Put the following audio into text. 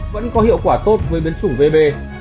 vẫn có hiệu quả tốt với biến chủng vb